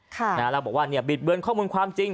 แล้วบอกว่าเนี่ยบิดเบือนข้อมูลความจริง